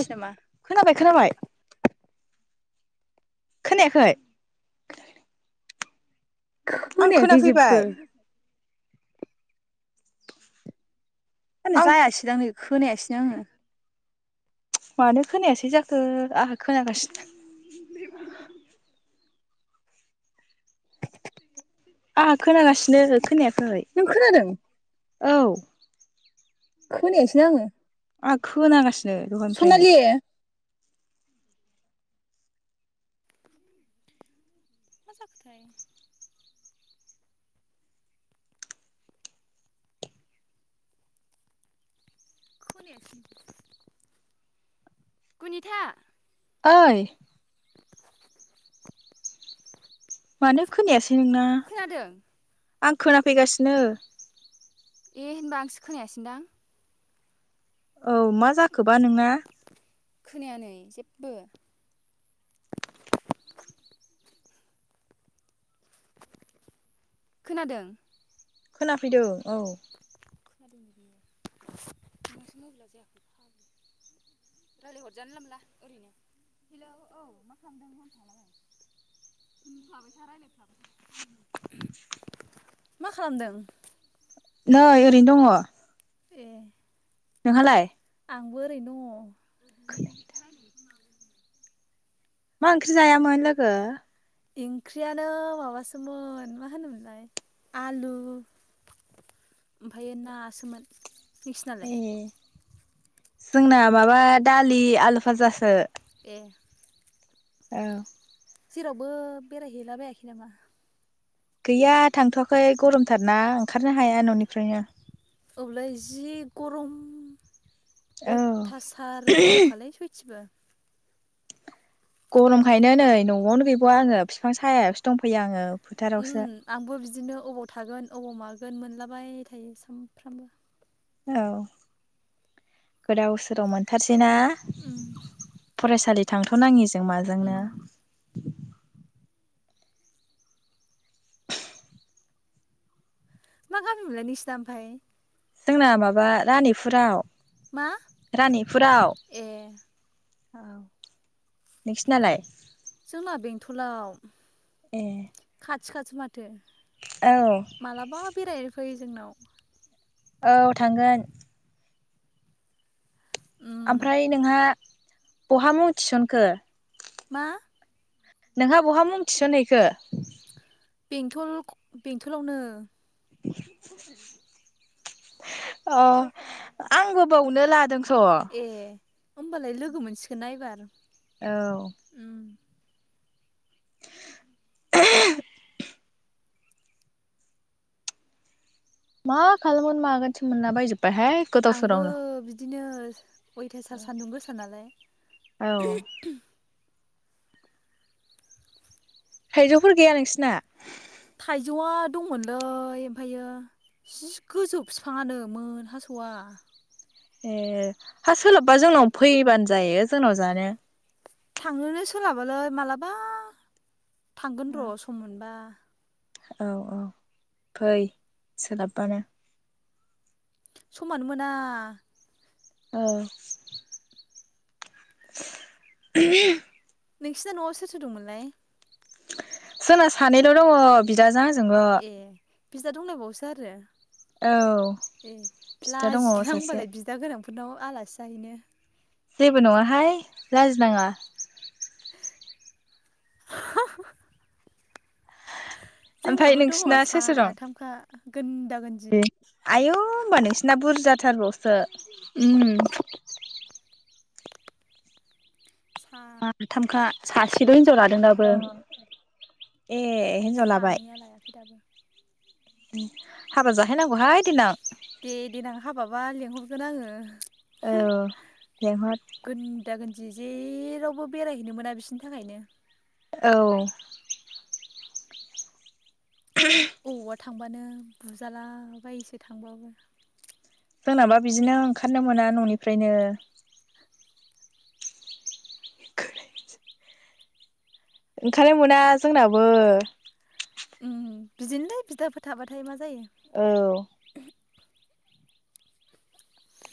ओइ खोनाबाय खोनाबाय। खोनायाखै? आं खोनायाखै खोनाफैबाय जेबो। आंना आं जायासिदांलै। खोनायासैनो आङो। मानो खोनायासै जाखो आंहा खोनागासिनो। आंहा खोनागासिनो खोनाया नों खोनादों? औ खोनायासैनो आङो। आं खोनागासिनो दहयनिफ्रायनो। मा जाखोथाय? खोनायासैनो गुनिथा ओइ मानो खोनायासै? नोंना आं खोनाफैगासिनो। ए होनबा आंसो खोनायासैनदां। औ मा जाखोबा नोंना? खोनाया नै जेबो। खोनादों खोनाफैदों औ। मा खालामदों? नै ओरैनो दङ। ए नोंहालाय आंबो ओरैनो दङ। [unintelligible] मा ओंख्रि जायामोन लोगो? ओंख्रियानो माबासोमोन मा होनोमोनलाय आलु ओमफायो नासोमोन। नोंसिनालाय? ए जोंना माबा दालि आलु फाजासो। दे औ। जेरावबो बेरायहैलाबायाखै नामा? गैया थांथ'वाखै गरमथारना ओंखारनो हाया न'निफ्रायनो। औलै जि गरम औ अयथासार गरम खालै सयथिबो। गरमखायनो नै न'आवनो गैबावा आङो बिफां सायायावसो दंफैयो आ ओम आंबो बिदिनो अबाव थागोन अबाव मा गोन मोनलाबाय थायो सानफ्रामबो औ गोदाव सोराव मोनथार सैना फरायसालि थांथ' नाङिजों जों माजोंनो मा गामि मोनलाय नोंसिना ओमफाय? जोंना माबा रानिपुरा मा ए। औ नोंसिनालाय? जोंना बेंथलाव ए। आथि खासो मा जों औ मालाबा बेरायनो फै जोंनाव। औ थांगोन। ओमफ्राय नोंहा बहा मुं थिसनखो? मा? नोंहा बहा मुं थिसनहैखो? बेंथल क- बेंथलावनो अ आंबो बावनो लादों। ए। होमबालाय लोगो मोनसिगोना एबार। औ। [inaudible] मा खालामगोन मागोनसो मोनाला बायजोब बायहाय गोदाव सोरावनो बास [unintelligible] अयथासार सान्दुं गोसा नालाय। औ थाइजौफोर गैया नोंसिना? थाइजौआ दंमोनलै ओमफायो जि गोजौ बिफाङानो मोन हासया ए हा सोलाबबा जोंनाव फैबानो जायो जोंनाव जानो। थांनोनो सोलाबालै मालाबा थांगोन र सम मोनबा। औ औ फै सोलाबबानो। समानो मोना। औ बि [unintelligible] नोंसिना नयाव सोर सोर दंमोनलाय? जोंना सानैल दङ बिदाजों आंजो ङोल बिदा दंलायबावोसो आरो ए बिदा दङ लाजिलां सासे होनबालाय बिदा गोनां नाव आलासि जाहैनो जेबो नङाहाय लाजिनाङा। [unintelligible] ओमफ्राय जोंनाबो दङ नोंसिना सोर सोर दं साथामखा गोनदा गोन्दि आयौ होमबा नोंसिना बुरजाथारबावसो उम। साथामखा सासेल हि लादों दाबो औ ए हिनजाव लाबाय सानैया लायाखै दाबो। हाबा जाहैनांगौहाय देनां। दे दे नां हाबाबा लेंहर गोन आङो। औ लेंहर जि जेरावबो बेरायहैनो मोना बिसनि थाखायनो। औ बबावबा थांबानो बुजाला बायोसो थांबाबो। जोंनाबा बिदिनो ओंखारनो मोना ननिफ्रायनो। ओंखारनो मोना जोंनाबो। उम बिदिनोलै बिदाफोरो थाबाथाय मा औ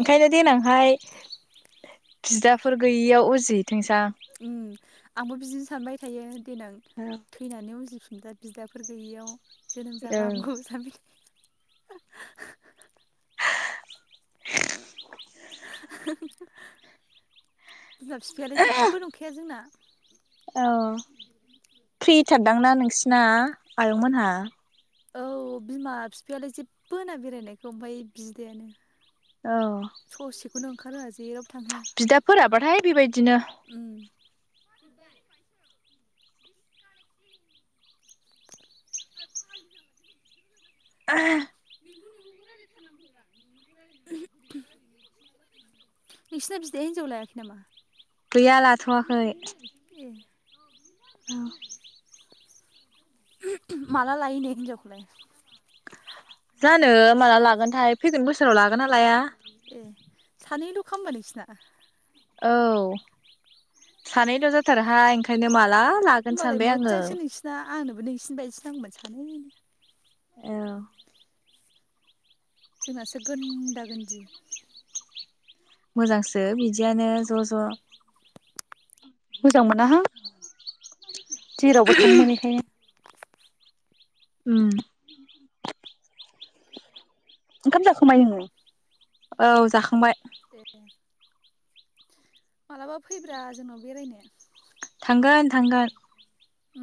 ओंखायनो देनांहाय बिदाफोर गैयियाव उजि उम आंबो बिदिनो सानबाय थायो देनां थैनानै उजि फिनबा बिदाफोर गैयियाव जोनोम जाबा हामगौ सानबायथायो [inaudible] बिमाब बिफायालाय जेबो नंखाया जोंना औ फ्रिथारदांना नोंसिना आयंमोनहा औ बिमा बिफायालाय जेबो होनना बेरायनायखौ ओमफफ्राय बिदायानो औ [unintelligible] बिदाफोराबाथाय बेबायदिनो [inaudible] नोंसिना बिदाया हिनजाव लायाखै नामा गैया लाथ'वाखै ए औ उम उम माला लायोनो हिनजावखौलाय जानो माला लागोनथाय फैगोन बोसोराव लागोन ना लाया ए सानैल' खा होनबा नोंसिना औ सानैल' जाथारहाय ओंखायनो मा ला लागोन सानबाय आङो आंनोबो नोंसिनि बायदिसो नांगौमोन सानै औ जोंनासो गोनदा गोनदि मोजांसो बिदियानो ज' ज' मोजां मोनाहां जेरावबो थांनो मोनैखायनो उ ओंखाम जाखांबाय नोङो औ जाखांबाय ए मालाबा फैब्रा जोंनाव बेरायनो थांगोन थांगोन उ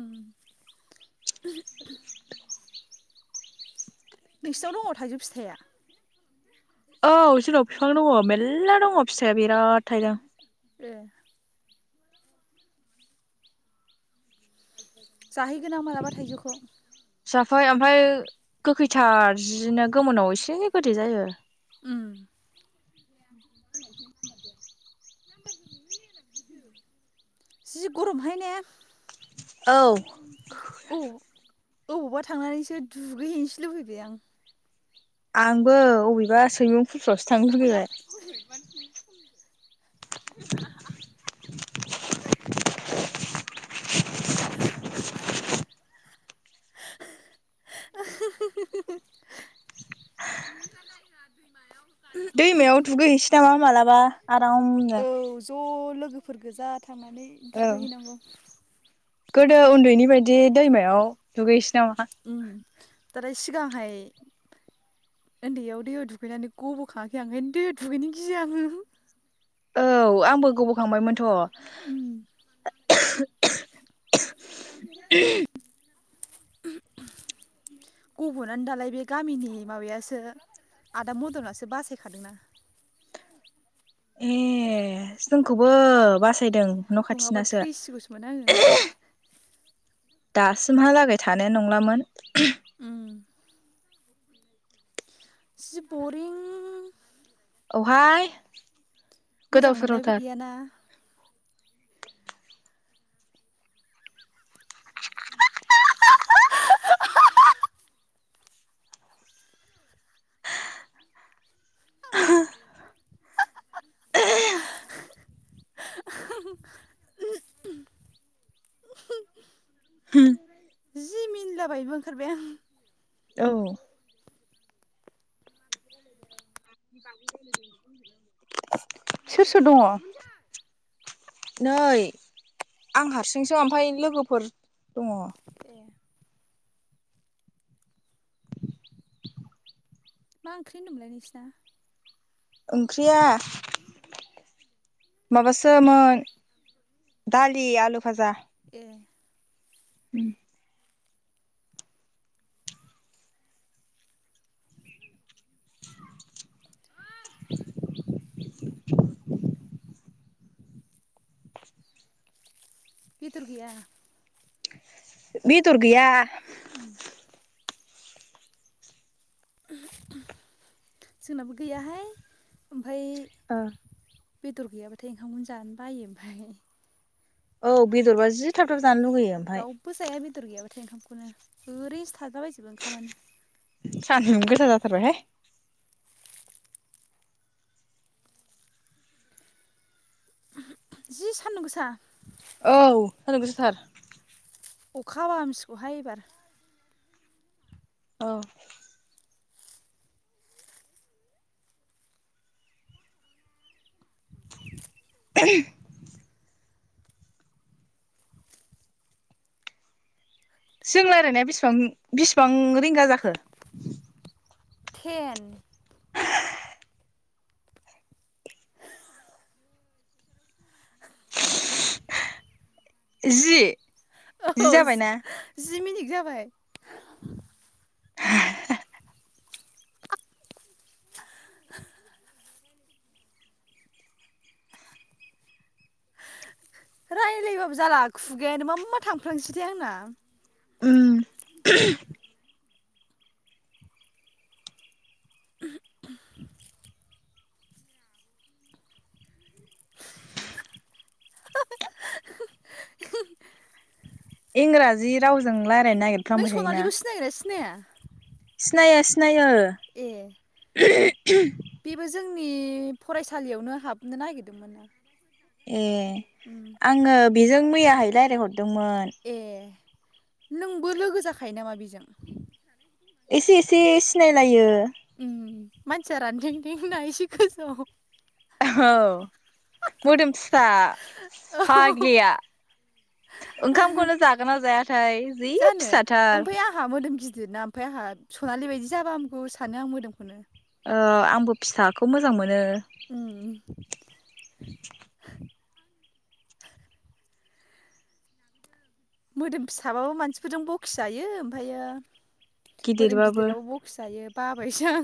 नोंसोनाव दङ थाइजौ फिथाइया औ जोंनाव बिफां दङ मेलला दङ फिथाइया बिराद थाइदों ए जाहैगोन आं मालाबा थाइजौखौ जाफै ओमफ्राय गोखैथार जिनो गोमोनाव एसे गोदै जायो उम जि गरमहाय ने औ औ अबावबा थांनानैसो दुगैहैनोसो लुबैबाय आं। आंबो अबेबा सैमां फ्रावसो थांनो लोगैबाय। [unintelligible] [unintelligible] मायाव दैमायाव थुगै है तावा मालाबा आरामनो फोर गोजा थांनानै औ दुगैहैनांगौ। गोदो उनदैनि बायदि दैमायाव दुगै [unintelligible] दा सिगांहाय उन्दैयाव दैयाव दुगैनानै गबो खाङाखै आं ओंखायनो दैयाव दुगैनो गियो आङो। औ आंबो गबखांबायमोनथ। [unintelligible] गबनानो दालाय बे गामिनि माबायासो आदा मदनासो बासायखादोंना। ए जोंखौबो बासा यदों न खाथिनासो। दासिमहा लागै थानाय नंलामोन उम मासि बरिं औहाय मोजां गोदाव मोननायबो सोरावथार। गैयाना। होम मिनलाबायबो ओंखारबाय आं। औ सोर सोर दङ। नै आं हारसिंसो ओमफाय लोगोफोर दङ। मा ओंख्रि होन्दोंमोनलाय नोंसिना? ओंख्रिया माबासोमोन दालि आलु भाजा। द [unintelligible] उम [inaudible] बेदर गैया? बेदर गैया। जोंनाबो गैयाहाय। बेदर गैयाबाथाय ओंखामखौनो जानो बायो ओमफाय। औ बेदरबा जि थाब थाब जानो लुुबैयो ओमफाय। ओंखामखौनो ओरैनोसो थाज्लाबायजोबो ओंखामानो सान्दुङा गोसा जाथारबायहाय जि सान्दुं गोसा। औ सान्दुं गोसाथार अखाहाबा हामसिगौहाय एबार औ‌। [unintelligible] जों रायलायनाया बेसेबां बेसिबां रिंगा जाखो थेन जि जि औ जाबायना जि मिनि जाबाय [inaudible] रायलायबाबो जाला खुगायानो मा मा थांफ्लांसैथाय आंना। उम। इंराजि रावजों रायलायनो ना नों सनालिखौ सिनायोना सिनाया? सिनायो सिनायो। [unintelligible] नि फरायसालियावनो हाबनो नागिर ए आङो बेजों मैया हाय राय [unintelligible] दोंमोन नोंबो लोगो जाखायो नामा बेजों? एसे एसे सिनायलायो। मानसिया रानथेंथेंना एसे गोजौ औ मोदोम फुं फिसा फाग्लिया ओंखामखौनो जागोन ना जायाथाय जि फिसाथार ओमफाय आंहा सनालि बायदि जाबा हामगौ सानो आं मोदोमखौनो। ओ आंबो फिसाखौ मोजां मोनो। [unintelligible] मोदोम फिसाबाबो मानसिफोरजों बखिजायो ओमफ्रायो मोदोम गिदिरबाबो बखिजायो बाबायसो आं।